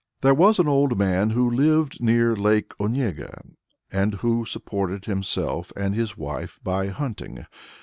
There was an old man who lived near Lake Onega, and who supported himself and his wife by hunting.